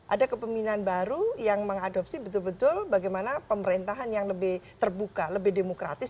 ada kepemimpinan baru yang mengadopsi betul betul bagaimana pemerintahan yang lebih terbuka lebih demokratis